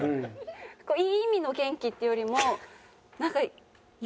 いい意味の元気っていうよりもなんか。